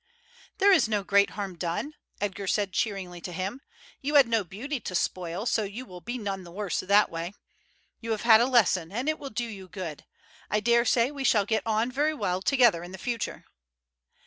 "There is no great harm done," Edgar said cheeringly to him. "You had no beauty to spoil, so you will be none the worse that way. You have had a lesson, and it will do you good. I daresay we shall get on very well together in future."